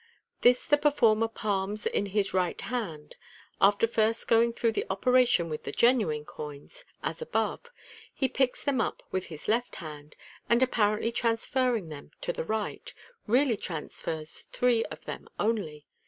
This the performer palms in his right hand. After first going through the operation with the genuine coins, a* above, he picks them up with his left hand, and apparently trans ferring them to the right, really transfers three of them only.